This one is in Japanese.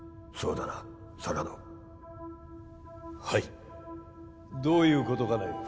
そうだな坂戸はいどういうことかね？